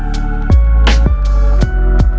saya sendiri ya